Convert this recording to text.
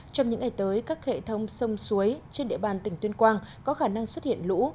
trong những ngày tới các hệ thống sông suối trên địa bàn tỉnh tuyên quang có khả năng xuất hiện lũ